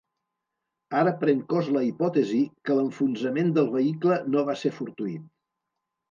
Ara pren cos la hipòtesi que l’enfonsament del vehicle no va ser fortuït.